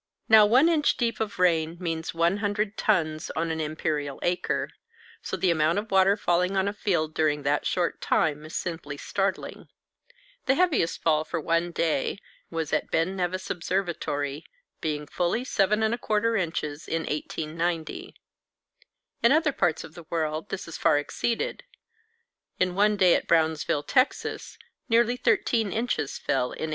Now 1 inch deep of rain means 100 tons on an imperial acre; so the amount of water falling on a field during that short time is simply startling. The heaviest fall for one day was at Ben Nevis Observatory, being fully 7 1/4 inches in 1890. In other parts of the world this is far exceeded. In one day at Brownsville, Texas, nearly 13 inches fell in 1886.